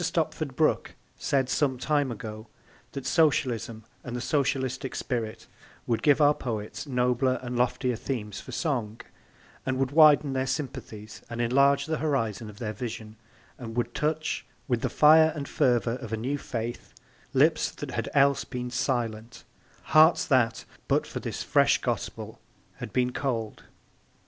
Stopford Brooke said some time ago that Socialism and the socialistic spirit would give our poets nobler and loftier themes for song, would widen their sympathies and enlarge the horizon of their vision and would touch, with the fire and fervour of a new faith, lips that had else been silent, hearts that but for this fresh gospel had been cold.